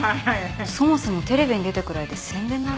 そもそもテレビに出たくらいで宣伝なんて。